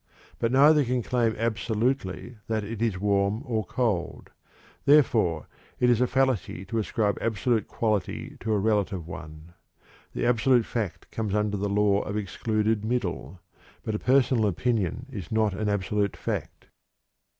But neither can claim absolutely that it is warm or cold. Therefore, it is a fallacy to ascribe absolute quality to a relative one. The absolute fact comes under the Law of Excluded Middle, but a personal opinion is not an absolute fact.